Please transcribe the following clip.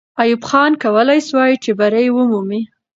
ایوب خان کولای سوای چې بری ومومي.